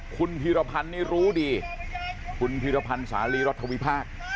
คุณพิรพานย์นี่รู้ดีหุ่นภีรพรรณสาลีรถวิพากศ์